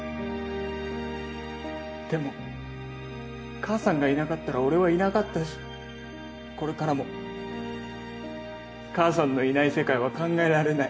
でも母さんがいなかったら俺はいなかったしこれからも母さんのいない世界は考えられない。